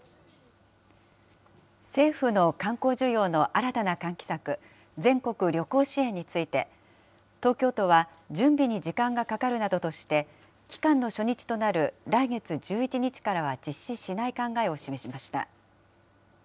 政府の観光需要の新たな喚起策、全国旅行支援について、東京都は準備に時間がかかるなどとして、期間の初日となる来月１１日からは実施しない考えを示しました。